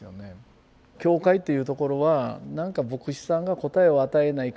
教会っていうところはなんか牧師さんが答えを与えない